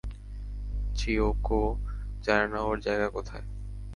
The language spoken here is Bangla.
চিয়োকো জানেনা ওর জায়গা কোথায়।